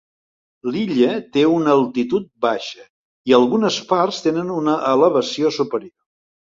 L"illa té una altitud baixa i algunes parts tenen una elevació superior.